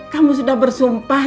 kamu sudah bersumpah